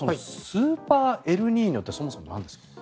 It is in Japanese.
スーパーエルニーニョってそもそもなんですか？